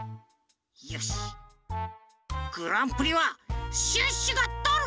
よしグランプリはシュッシュがとる！